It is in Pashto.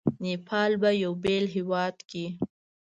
نیپال به یو بېل هیواد کړي.